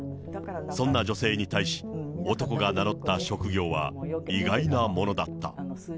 そんな女性に対し、男が名乗った職業は、意外なものだった。